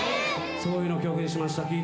そういうの曲にしました。